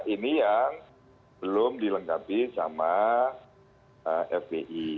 ini yang belum dilengkapi sama fpi